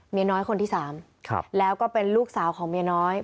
เมียน้อยคนที่๓แล้วก็เป็นลูกสาวของเมียน้อย